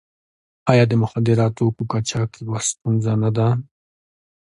آیا د مخدره توکو قاچاق یوه ستونزه نه ده؟